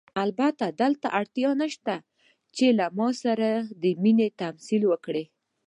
البته دې ته اړتیا نشته چې له ما سره د مینې کولو تمثیل وکړئ.